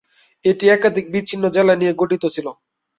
এটি একাধিক বিচ্ছিন্ন জেলা নিয়ে গঠিত ছিল।